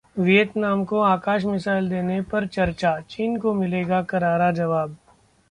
Vietnam को Akash missile देने पर चर्चा, चीन को मिलेगा करारा जवाब